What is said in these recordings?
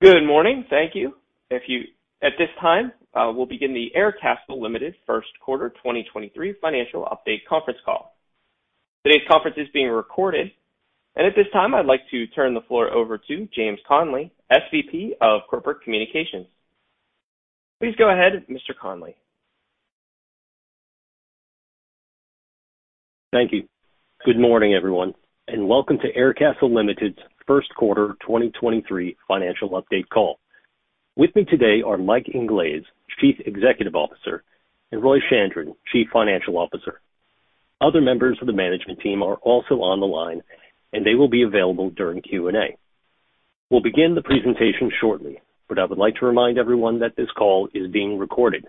Good morning. Thank you. At this time, we'll begin the Aircastle Limited first quarter 2023 financial update conference call. Today's conference is being recorded, at this time, I'd like to turn the floor over to James Connelly, SVP of Corporate Communications. Please go ahead, Mr. Connelly. Thank you. Good morning, everyone, and welcome to Aircastle Limited's first quarter 2023 financial update call. With me today are Mike Inglese, Chief Executive Officer, and Roy Chandran, Chief Financial Officer. Other members of the management team are also on the line, and they will be available during Q&A. We'll begin the presentation shortly, but I would like to remind everyone that this call is being recorded,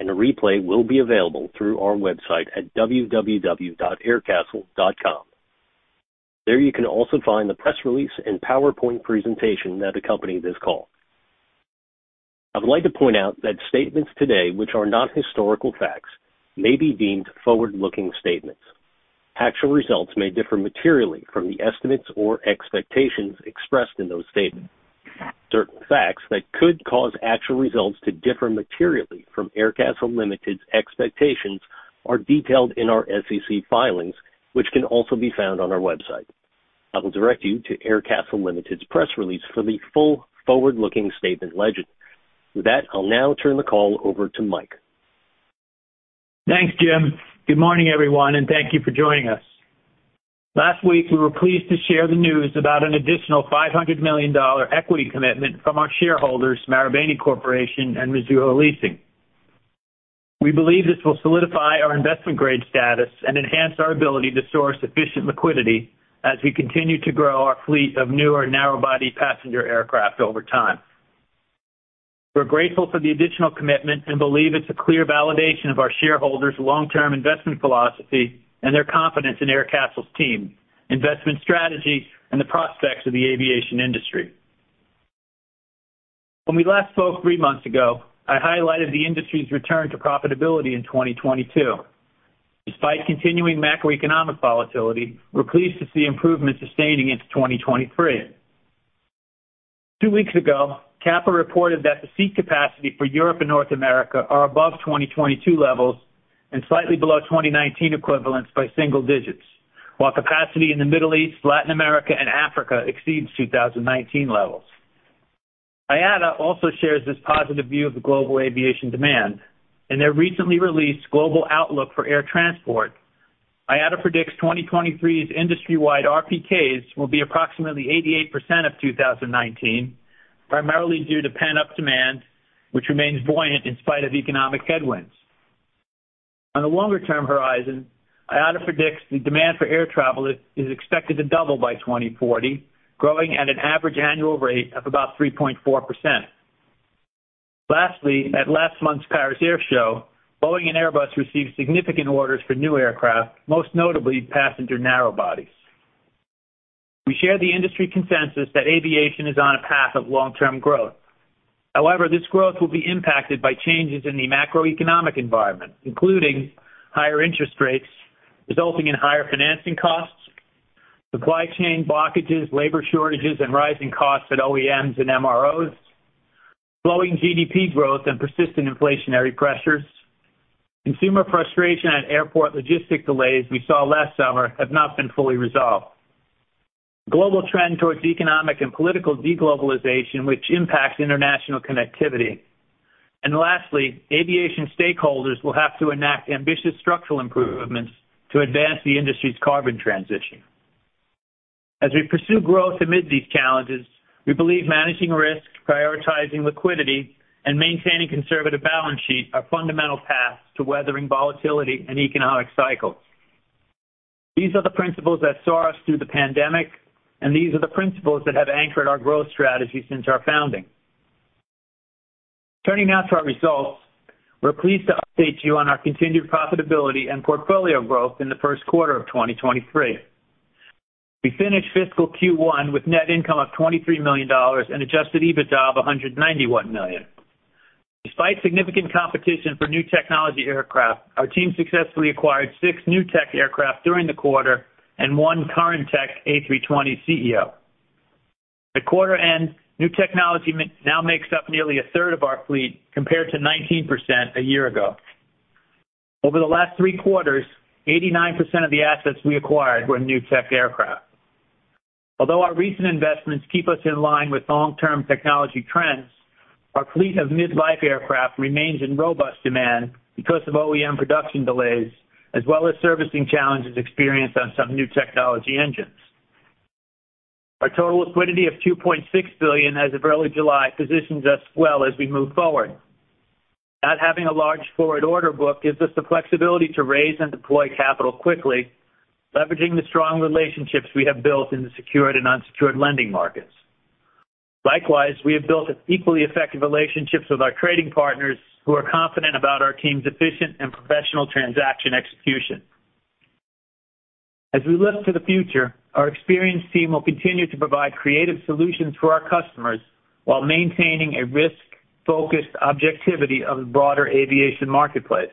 and a replay will be available through our website at www.aircastle.com. There, you can also find the press release and PowerPoint presentation that accompany this call. I would like to point out that statements today, which are not historical facts, may be deemed forward-looking statements. Actual results may differ materially from the estimates or expectations expressed in those statements. Certain facts that could cause actual results to differ materially from Aircastle Limited's expectations are detailed in our SEC filings, which can also be found on our website. I will direct you to Aircastle Limited's press release for the full forward-looking statement legend. With that, I'll now turn the call over to Mike. Thanks, James. Good morning, everyone, and thank you for joining us. Last week, we were pleased to share the news about an additional $500 million equity commitment from our shareholders, Marubeni Corporation and Mizuho Leasing. We believe this will solidify our investment grade status and enhance our ability to source efficient liquidity as we continue to grow our fleet of newer narrow-body passenger aircraft over time. We're grateful for the additional commitment and believe it's a clear validation of our shareholders' long-term investment philosophy and their confidence in Aircastle's team, investment strategy, and the prospects of the aviation industry. When we last spoke three months ago, I highlighted the industry's return to profitability in 2022. Despite continuing macroeconomic volatility, we're pleased to see improvement sustaining into 2023. Two weeks ago, CAPA reported that the seat capacity for Europe and North America are above 2022 levels and slightly below 2019 equivalents by single digits, while capacity in the Middle East, Latin America, and Africa exceeds 2019 levels. IATA also shares this positive view of the global aviation demand. In their recently released Global Outlook for Air Transport, IATA predicts 2023's industry-wide RPKs will be approximately 88% of 2019, primarily due to pent-up demand, which remains buoyant in spite of economic headwinds. On a longer-term horizon, IATA predicts the demand for air travel is expected to double by 2040, growing at an average annual rate of about 3.4%. Lastly, at last month's Paris Air Show, Boeing and Airbus received significant orders for new aircraft, most notably passenger narrow bodies. We share the industry consensus that aviation is on a path of long-term growth. However, this growth will be impacted by changes in the macroeconomic environment, including higher interest rates, resulting in higher financing costs, supply chain blockages, labor shortages, and rising costs at OEMs and MROs, slowing GDP growth and persistent inflationary pressures. Consumer frustration at airport logistic delays we saw last summer have not been fully resolved. Global trend towards economic and political deglobalization, which impacts international connectivity. Lastly, aviation stakeholders will have to enact ambitious structural improvements to advance the industry's carbon transition. As we pursue growth amid these challenges, we believe managing risk, prioritizing liquidity, and maintaining conservative balance sheet are fundamental paths to weathering volatility and economic cycles. These are the principles that saw us through the pandemic, and these are the principles that have anchored our growth strategy since our founding. Turning now to our results, we're pleased to update you on our continued profitability and portfolio growth in the first quarter of 2023. We finished fiscal Q1 with net income of $23 million and Adjusted EBITDA of $191 million. Despite significant competition for new technology aircraft, our team successfully acquired six new tech aircraft during the quarter and one current tech A320ceo. At quarter end, new technology now makes up nearly 1/3 of our fleet, compared to 19% a year ago. Over the last three quarters, 89% of the assets we acquired were new tech aircraft. Although our recent investments keep us in line with long-term technology trends, our fleet of mid-life aircraft remains in robust demand because of OEM production delays, as well as servicing challenges experienced on some new technology engines. Our total liquidity of $2.6 billion as of early July, positions us well as we move forward. Not having a large forward order book gives us the flexibility to raise and deploy capital quickly, leveraging the strong relationships we have built in the secured and unsecured lending markets. Likewise, we have built equally effective relationships with our trading partners, who are confident about our team's efficient and professional transaction execution. As we look to the future, our experienced team will continue to provide creative solutions for our customers while maintaining a risk-focused objectivity of the broader aviation marketplace.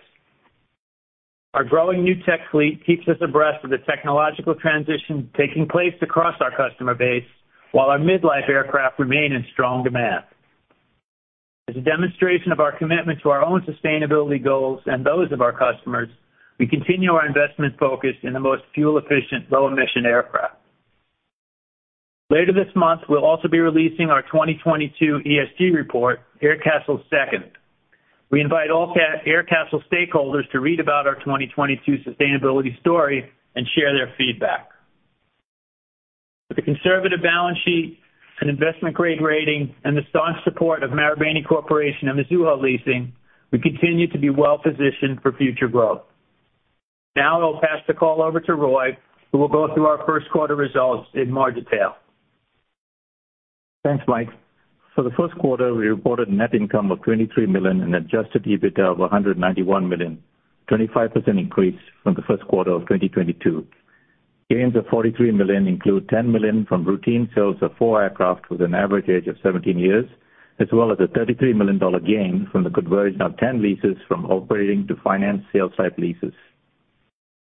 Our growing new tech fleet keeps us abreast of the technological transition taking place across our customer base, while our mid-life aircraft remain in strong demand. As a demonstration of our commitment to our own sustainability goals and those of our customers, we continue our investment focus in the most fuel-efficient, low-emission aircraft. Later this month, we'll also be releasing our 2022 ESG report, Aircastle's Second. We invite all Aircastle stakeholders to read about our 2022 sustainability story and share their feedback. With a conservative balance sheet, an investment-grade rating, and the staunch support of Marubeni Corporation and Mizuho Leasing, we continue to be well-positioned for future growth. I'll pass the call over to Roy, who will go through our first quarter results in more detail. Thanks, Mike. For the first quarter, we reported net income of $23 million and Adjusted EBITDA of $191 million, a 25% increase from the first quarter of 2022. Gains of $43 million include $10 million from routine sales of four aircraft with an average age of 17 years, as well as a $33 million gain from the conversion of 10 leases from operating to finance sales-type leases.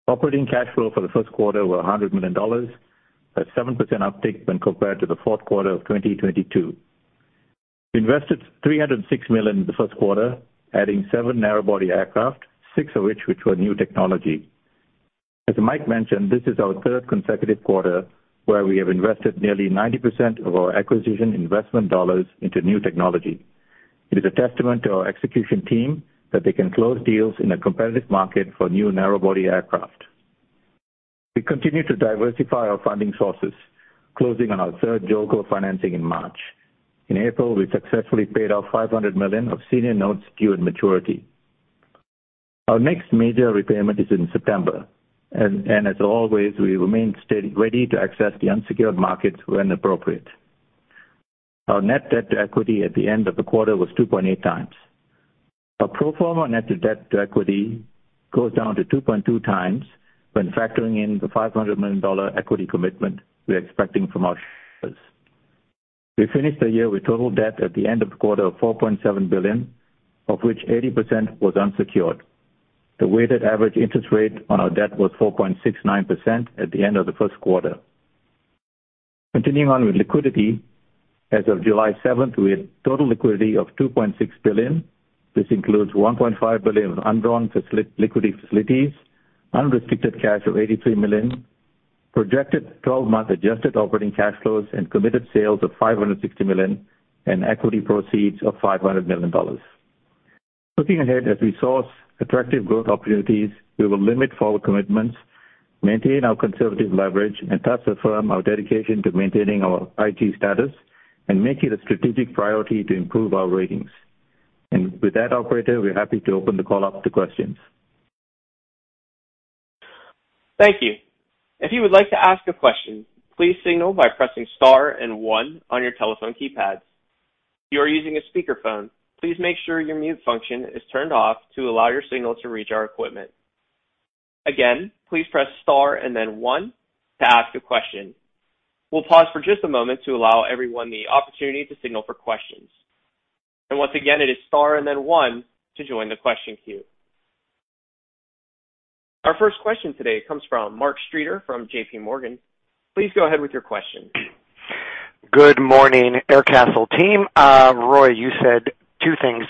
Operating cash flow for the first quarter were $100 million, a 7% uptick when compared to the fourth quarter of 2022. We invested $306 million in the first quarter, adding seven narrow-body aircraft, six of which were new technology. As Mike mentioned, this is our third consecutive quarter where we have invested nearly 90% of our acquisition investment dollars into new technology. It is a testament to our execution team that they can close deals in a competitive market for new narrow-body aircraft. We continue to diversify our funding sources, closing on our third JOLCO financing in March. In April, we successfully paid off $500 million of senior notes due in maturity. Our next major repayment is in September, and as always, we remain ready to access the unsecured markets when appropriate. Our net debt-to-equity at the end of the quarter was 2.8x. Our pro forma net debt-to-equity goes down to 2.2x when factoring in the $500 million equity commitment we are expecting from our shareholders. We finished the year with total debt at the end of the quarter of $4.7 billion, of which 80% was unsecured. The weighted average interest rate on our debt was 4.69% at the end of the first quarter. Continuing on with liquidity, as of July 7th, we had total liquidity of $2.6 billion. This includes $1.5 billion of undrawn liquidity facilities, unrestricted cash of $83 million, projected 12-month adjusted operating cash flows, committed sales of $560 million, and equity proceeds of $500 million. Looking ahead, as we source attractive growth opportunities, we will limit forward commitments, maintain our conservative leverage, thus affirm our dedication to maintaining our IG status and make it a strategic priority to improve our ratings. With that, operator, we're happy to open the call up to questions. Thank you. If you would like to ask a question, please signal by pressing star and one on your telephone keypad. If you are using a speakerphone, please make sure your mute function is turned off to allow your signal to reach our equipment. Again, please press star and then one to ask a question. We'll pause for just a moment to allow everyone the opportunity to signal for questions. Once again, it is star and then one to join the question queue. Our first question today comes from Mark Streeter from JPMorgan. Please go ahead with your question. Good morning, Aircastle team. Roy, you said two things,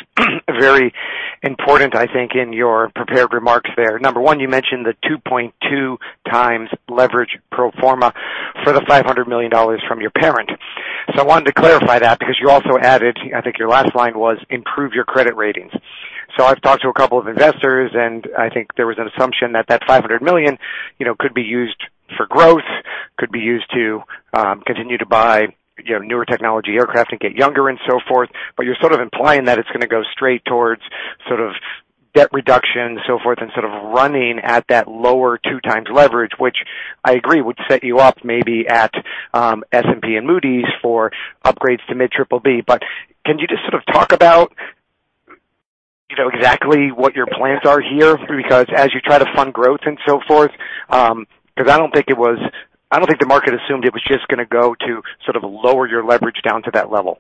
very important, I think, in your prepared remarks there. Number one, you mentioned the 2.2 times leverage pro forma for the $500 million from your parent. I wanted to clarify that, because you also added, I think your last line was, "Improve your credit ratings." I've talked to a couple of investors, and I think there was an assumption that that $500 million, you know, could be used for growth, could be used to continue to buy, you know, newer technology aircraft and get younger and so forth. You're sort of implying that it's going to go straight towards sort of debt reduction and so forth, and sort of running at that lower 2x leverage, which I agree, would set you up maybe at S&P and Moody's for upgrades to mid triple B. Can you just sort of talk about, you know, exactly what your plans are here? As you try to fund growth and so forth, because I don't think the market assumed it was just going to go to sort of lower your leverage down to that level.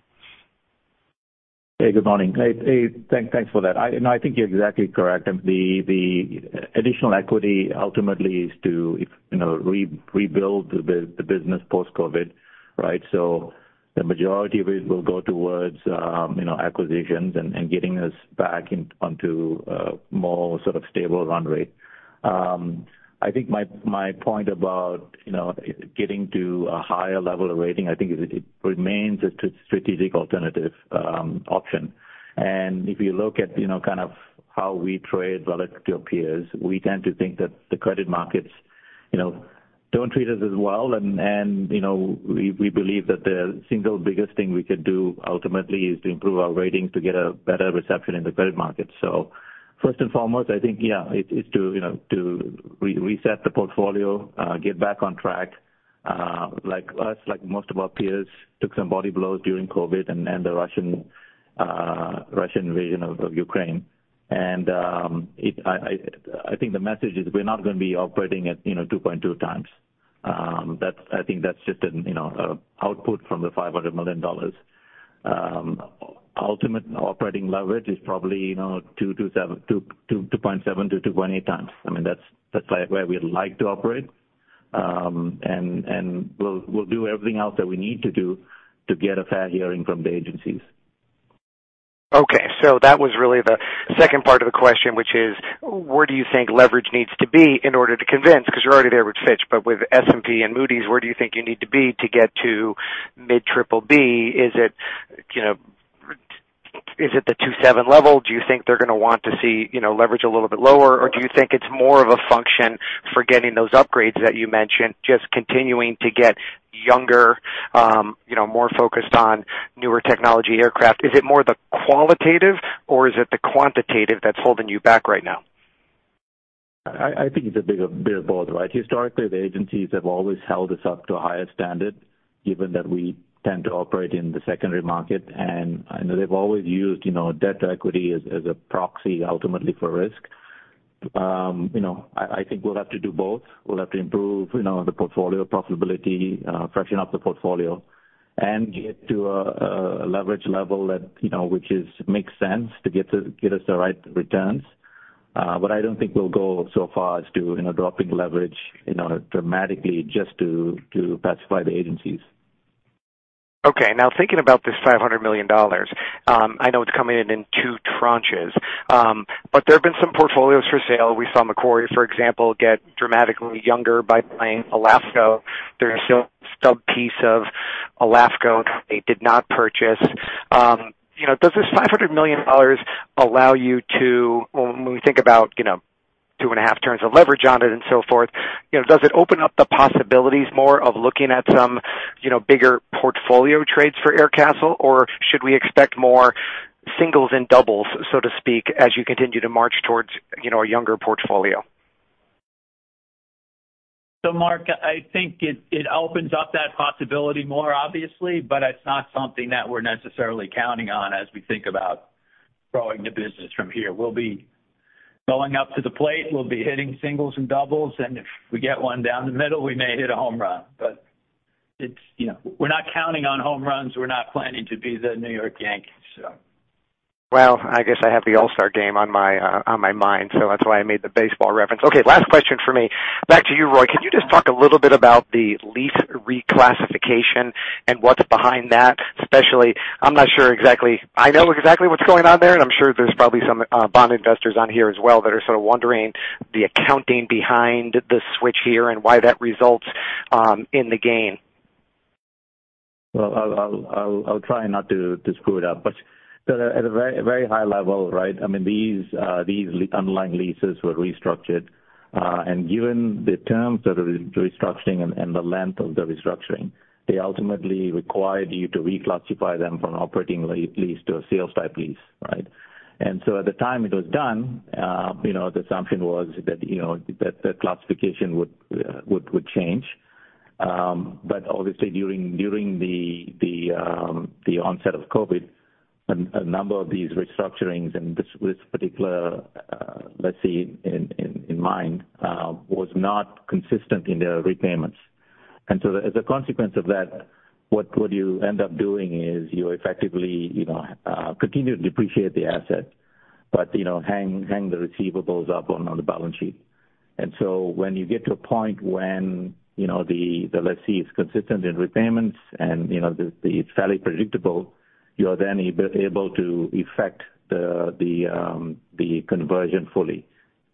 Hey, good morning. Hey, thanks for that. No, I think you're exactly correct. The additional equity ultimately is to, you know, rebuild the business post-COVID, right? The majority of it will go towards, you know, acquisitions and getting us back onto a more sort of stable run rate. I think my point about, you know, getting to a higher level of rating, I think it remains a strategic alternative option. If you look at, you know, kind of how we trade relative to peers, we tend to think that the credit markets, you know, don't treat us as well. We believe that the single biggest thing we could do ultimately is to improve our ratings to get a better reception in the credit market. First and foremost, I think it's to reset the portfolio, get back on track. Like us, like most of our peers, took some body blows during COVID and the Russian invasion of Ukraine. I think the message is, we're not going to be operating at 2.2x. That's, I think that's just an output from the $500 million. Ultimate operating leverage is probably 2.7x to 2.8x. That's where we'd like to operate. And we'll do everything else that we need to do to get a fair hearing from the agencies. That was really the second part of the question, which is: where do you think leverage needs to be in order to convince, because you're already there with Fitch, but with S&P and Moody's, where do you think you need to be to get to mid triple-B? Is it, you know, is it the 2.7x level? Do you think they're gonna want to see, you know, leverage a little bit lower? Or do you think it's more of a function for getting those upgrades that you mentioned, just continuing to get younger, you know, more focused on newer technology aircraft? Is it more the qualitative or is it the quantitative that's holding you back right now? I think it's a bit of both, right? Historically, the agencies have always held us up to a higher standard, given that we tend to operate in the secondary market, and I know they've always used, you know, debt to equity as a proxy, ultimately, for risk. You know, I think we'll have to do both. We'll have to improve, you know, the portfolio profitability, freshen up the portfolio and get to a leverage level that, you know, which is makes sense to get us the right returns. I don't think we'll go so far as to, you know, dropping leverage, you know, dramatically just to pacify the agencies. Now, thinking about this $500 million, I know it's coming in in two tranches. There have been some portfolios for sale. We saw Macquarie, for example, get dramatically younger by buying Alaska. There's still some piece of Alaska they did not purchase. You know, when we think about, you know, two and a half turns of leverage on it and so forth, you know, does it open up the possibilities more of looking at some, you know, bigger portfolio trades for Aircastle, or should we expect more singles and doubles, so to speak, as you continue to march towards, you know, a younger portfolio? Mark, I think it opens up that possibility more, obviously, but it's not something that we're necessarily counting on as we think about growing the business from here. We'll be going up to the plate, we'll be hitting singles and doubles, and if we get one down the middle, we may hit a home run. It's, you know, we're not counting on home runs. We're not planning to be the New York Yankees, so. Well, I guess I have the All-Star Game on my mind, so that's why I made the baseball reference. Okay, last question for me. Back to you, Roy. Can you just talk a little bit about the lease reclassification and what's behind that? Especially, I'm not sure exactly. I know exactly what's going on there, and I'm sure there's probably some bond investors on here as well, that are sort of wondering the accounting behind the switch here and why that results in the gain. Well, I'll try not to screw it up, but at a very, very high level, right? I mean, these underlying leases were restructured, and given the terms of the restructuring and the length of the restructuring, they ultimately required you to reclassify them from an operating lease to a sales-type lease, right? At the time it was done, you know, the assumption was that, you know, that the classification would change. Obviously, during the onset of COVID, a number of these restructurings and this particular lessee in mind was not consistent in their repayments. As a consequence of that, what you end up doing is you effectively, you know, continue to depreciate the asset, but, you know, hang the receivables up on the balance sheet. When you get to a point when, you know, the lessee is consistent in repayments and, you know, it's fairly predictable, you are then able to effect the conversion fully.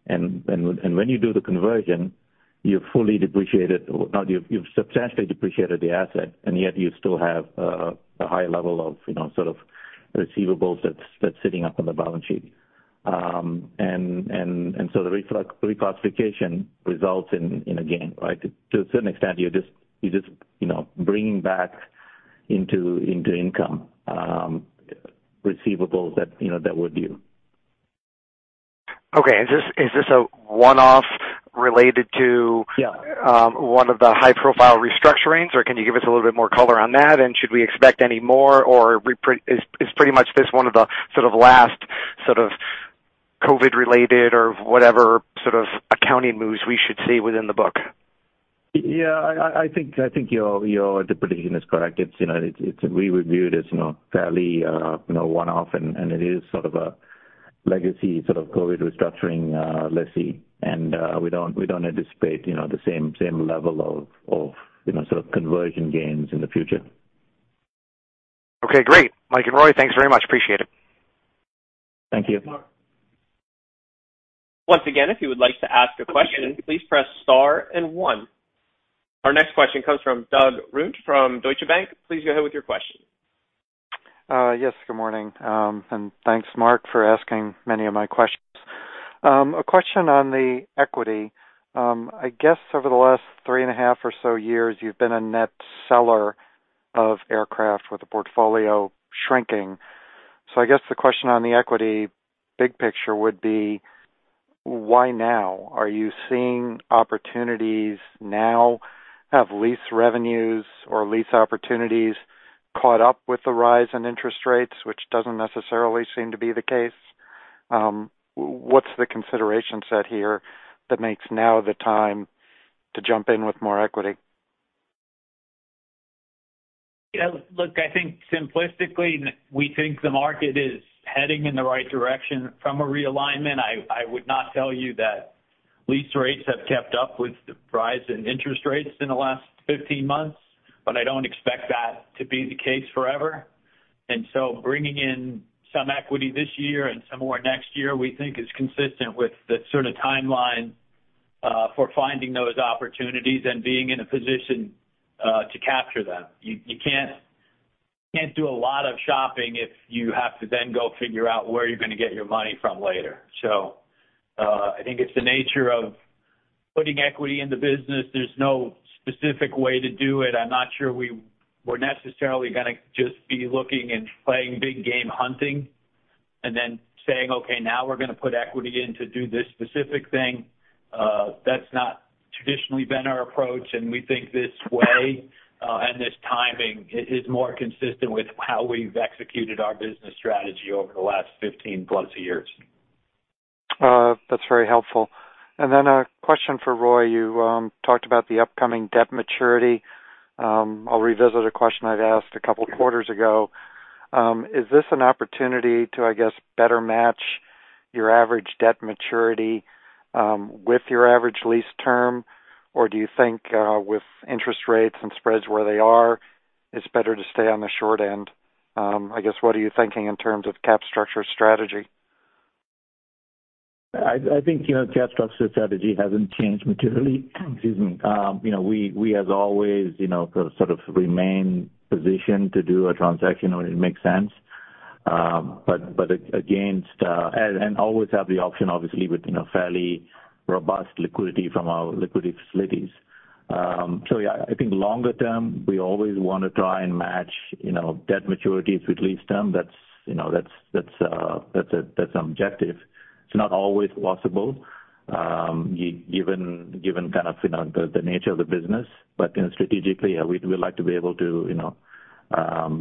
When you do the conversion, you've fully depreciated, or not, you've substantially depreciated the asset, and yet you still have a high level of, you know, sort of receivables that's sitting up on the balance sheet. The reclassification results in a gain, right? To a certain extent, you're just, you know, bringing back into income, receivables that, you know, that were due. Okay. Is this a one-off related to- Yeah. One of the high-profile restructurings, or can you give us a little bit more color on that? Should we expect any more, Is pretty much this one of the, sort of last, sort of COVID-related or whatever, sort of accounting moves we should see within the book? Yeah, I think your prediction is correct. It's, you know, we reviewed it as, you know, fairly, you know, one-off, and it is sort of a legacy COVID restructuring lessee. We don't anticipate, you know, the same level of, you know, sort of conversion gains in the future. Okay, great. Mike and Roy, thanks very much. Appreciate it. Thank you. Once again, if you would like to ask a question, please press star one. Our next question comes from Doug Runte from Deutsche Bank. Please go ahead with your question. Yes, good morning. Thanks, Mark, for asking many of my questions. A question on the equity. I guess over the last 3.5 or so years, you've been a net seller of aircraft, with the portfolio shrinking. I guess the question on the equity, big picture would be: why now? Are you seeing opportunities now? Have lease revenues or lease opportunities caught up with the rise in interest rates, which doesn't necessarily seem to be the case? What's the consideration set here that makes now the time to jump in with more equity? Yeah, look, I think simplistically, we think the market is heading in the right direction from a realignment. I would not tell you that lease rates have kept up with the rise in interest rates in the last 15 months, but I don't expect that to be the case forever. Bringing in some equity this year and some more next year, we think is consistent with the sort of timeline for finding those opportunities and being in a position to capture them. You can't do a lot of shopping if you have to then go figure out where you're gonna get your money from later. I think it's the nature of putting equity in the business. There's no specific way to do it. I'm not sure we're necessarily gonna just be looking and playing big game hunting and then saying, "Okay, now we're gonna put equity in to do this specific thing." That's not traditionally been our approach, and we think this way, and this timing is more consistent with how we've executed our business strategy over the last 15-plus years. That's very helpful. A question for Roy. You talked about the upcoming debt maturity. I'll revisit a question I'd asked a couple quarters ago. Is this an opportunity to, I guess, better match your average debt maturity, with your average lease term? Or do you think, with interest rates and spreads where they are, it's better to stay on the short end? I guess, what are you thinking in terms of cap structure strategy? I think, you know, cap structure strategy hasn't changed materially. Excuse me. You know, we as always, you know, sort of remain positioned to do a transaction when it makes sense. but against. Always have the option, obviously, with, you know, fairly robust liquidity from our liquidity facilities. Yeah, I think longer term, we always want to try and match, you know, debt maturities with lease term. That's, you know, that's objective. It's not always possible, given kind of, you know, the nature of the business. you know, strategically, we'd like to be able to, you know,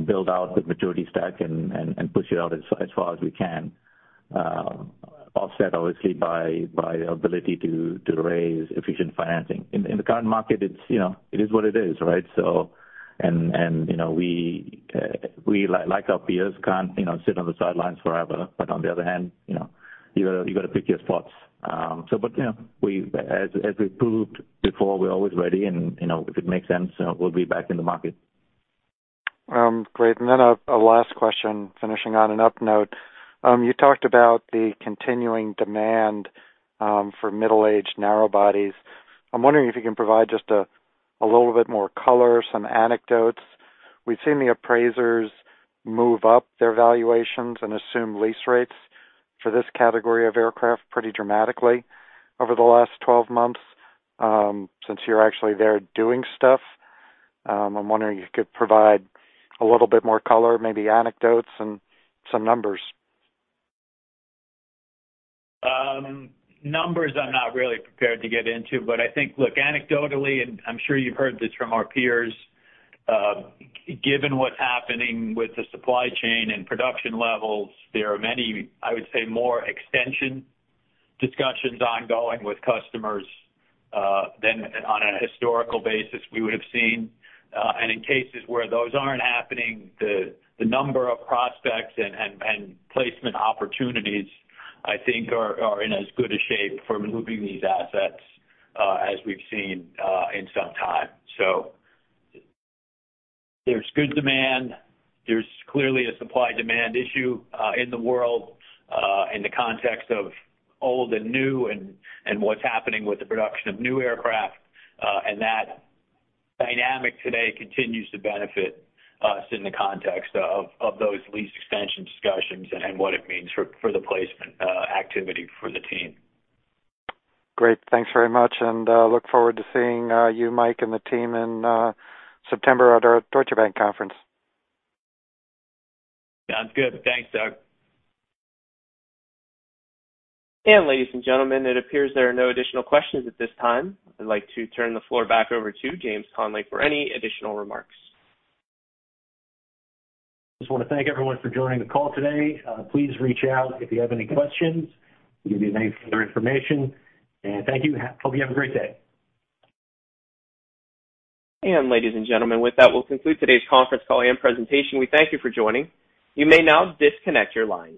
build out the maturity stack and push it out as far as we can. Offset, obviously, by our ability to raise efficient financing. In the current market, it's, you know, it is what it is, right? You know, we like our peers, can't, you know, sit on the sidelines forever. On the other hand, you know, you gotta pick your spots. You know, we've proved before, we're always ready, and, you know, if it makes sense, we'll be back in the market. Great. A last question, finishing on an up note. You talked about the continuing demand for middle-aged narrow-body. I'm wondering if you can provide just a little bit more color, some anecdotes. We've seen the appraisers move up their valuations and assume lease rates for this category of aircraft pretty dramatically over the last 12 months. Since you're actually there doing stuff, I'm wondering if you could provide a little bit more color, maybe anecdotes and some numbers. Numbers, I'm not really prepared to get into, but I think, look, anecdotally, and I'm sure you've heard this from our peers, given what's happening with the supply chain and production levels, there are many, I would say, more extension discussions ongoing with customers, than on a historical basis we would have seen. And in cases where those aren't happening, the number of prospects and placement opportunities, I think are in as good a shape for moving these assets, as we've seen in some time. There's good demand. There's clearly a supply-demand issue in the world, in the context of old and new and what's happening with the production of new aircraft. That dynamic today continues to benefit us in the context of those lease extension discussions and what it means for the placement activity for the team. Great. Thanks very much, and, look forward to seeing, you, Mike, and the team in, September at our Deutsche Bank conference. Sounds good. Thanks, Doug. Ladies and gentlemen, it appears there are no additional questions at this time. I'd like to turn the floor back over to James Connelly for any additional remarks. Just want to thank everyone for joining the call today. Please reach out if you have any questions. We'll give you any further information. Thank you. Hope you have a great day. Ladies and gentlemen, with that, we'll conclude today's conference call and presentation. We thank you for joining. You may now disconnect your line.